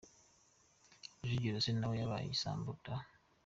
Rujugiro se nawe yabaye igisambo ra?